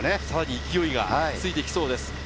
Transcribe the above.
さらに勢いがついていきそうです。